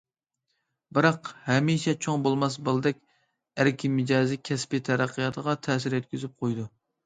بىراق ھەمىشە چوڭ بولماس بالىدەك ئەركە مىجەزى كەسپىي تەرەققىياتىغا تەسىر يەتكۈزۈپ قويىدۇ.